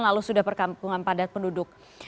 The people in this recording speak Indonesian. lalu sudah perkampungan padat penduduk